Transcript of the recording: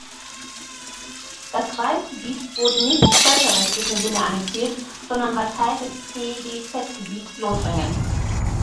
Das Kreisgebiet wurde nicht im völkerrechtlichen Sinne annektiert, sondern war Teil des CdZ-Gebiets Lothringen.